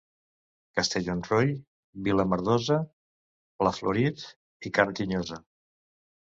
Castellonroi, vila merdosa, pla florit i carn tinyosa.